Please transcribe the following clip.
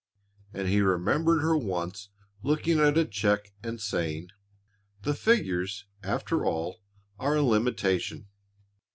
And he remembered her once looking at a cheque and saying, "The figures, after all, are a limitation."